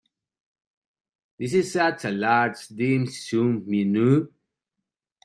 This is such a large dim sum menu.